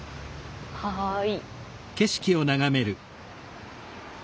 はい。